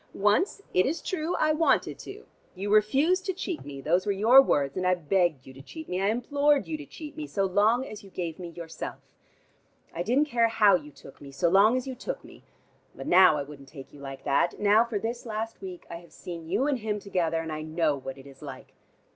Once, it is true, I wanted to. You refused to cheat me those were your words and I begged you to cheat me, I implored you to cheat me, so long as you gave me yourself. "I didn't care how you took me, so long as you took me. But now I wouldn't take you like that. Now, for this last week, I have seen you and him together, and I know what it is like."